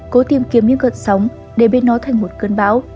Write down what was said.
cố tìm kiếm những gợt sóng để bên nó thành một cơn bão